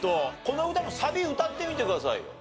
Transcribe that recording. この歌のサビ歌ってみてくださいよ。